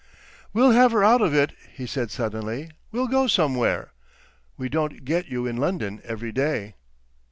"We'll have her out of it," he said suddenly; "we'll go somewhere. We don't get you in London every day."